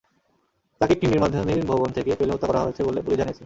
তাঁকে একটি নির্মাণাধীন ভবন থেকে ফেলে হত্যা করা হয়েছে বলে পুলিশ জানিয়েছে।